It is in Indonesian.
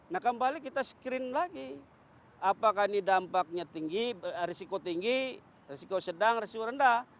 nah kembali kita screen lagi apakah ini dampaknya tinggi risiko tinggi risiko sedang risiko rendah